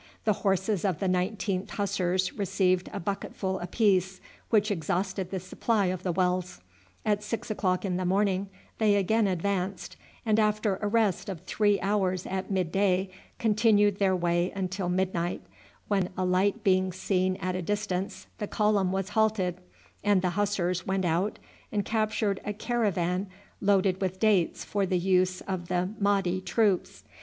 The horses of the 19th Hussars received a bucketful apiece, which exhausted the supply of the wells. At six o'clock in the morning they again advanced, and after a rest of three hours at mid day continued their way until midnight, when a light being seen at a distance the column was halted, and the Hussars went out and captured a caravan loaded with dates for the use of the Mahdi troops.